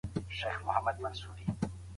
که د مینې عذاب نه وي عمر بد کړي چې اوږدېږي